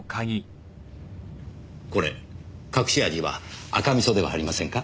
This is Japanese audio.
これ隠し味は赤味噌ではありませんか？